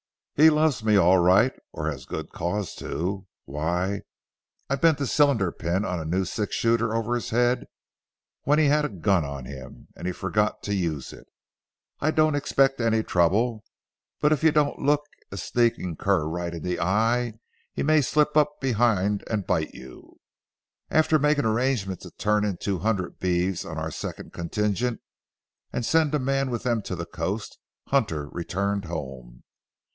He loves me all right, or has good cause to. Why, I bent the cylinder pin of a new six shooter over his head when he had a gun on him, and he forgot to use it. I don't expect any trouble, but if you don't look a sneaking cur right in the eye, he may slip up behind and bite you." After making arrangements to turn in two hundred beeves on our second contingent, and send a man with them to the coast, Hunter returned home.